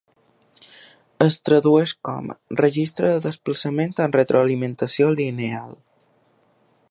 Es tradueix com: registre de desplaçament amb retroalimentació lineal.